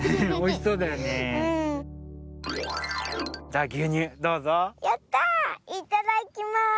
いただきます！